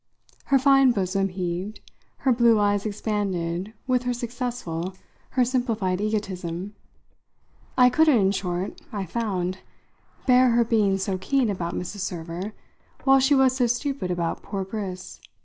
Her fine bosom heaved, her blue eyes expanded with her successful, her simplified egotism. I couldn't, in short, I found, bear her being so keen about Mrs. Server while she was so stupid about poor Briss.